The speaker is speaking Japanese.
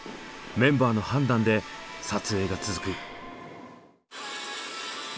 メンバーの判断で撮影が続く。